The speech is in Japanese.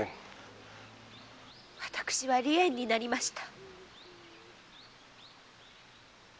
私は離縁になりました。